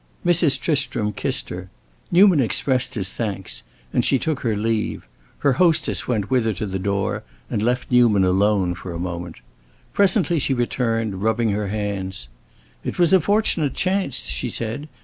Mrs. Tristram kissed her. Newman expressed his thanks, and she took her leave. Her hostess went with her to the door, and left Newman alone a moment. Presently she returned, rubbing her hands. "It was a fortunate chance," she said.